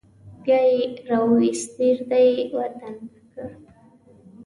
بیا یې راوویست بېرته یې ور دننه کړ.